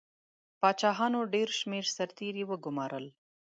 پاچاهانو ډېر شمېر سرتیري وګمارل.